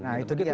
nah itu dia